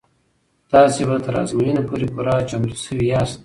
تاسې به تر ازموینې پورې پوره چمتو شوي یاست.